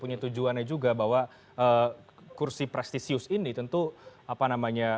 punya tujuannya juga bahwa kursi prestisius ini tentu apa namanya